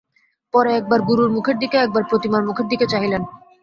পরে একবার গুরুর মুখের দিকে একবার প্রতিমার মুখের দিকে চাহিলেন।